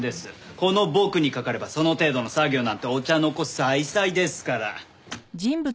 この僕にかかればその程度の作業なんてお茶の子さいさいですから。